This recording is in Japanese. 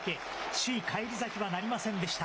首位返り咲きはなりませんでした。